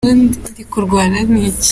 ubundi ndikurwana niki